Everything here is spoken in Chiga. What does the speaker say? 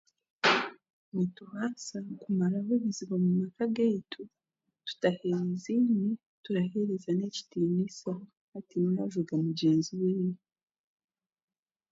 nitubaasa kumaraho ebizibu omu maka gaitu tutahaiziine tukaheerezana ekiniisa hataine orajooga mugyenzi weeye